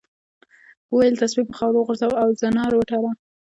وویل تسبیح په خاورو وغورځوه او زنار وتړه.